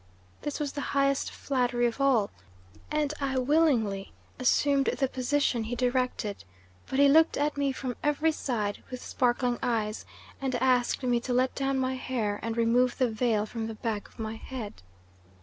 This was the highest flattery of all, and I willingly assumed the position he directed, but he looked at me from every side, with sparkling eyes, and asked me to let down my hair and remove the veil from the back of my head.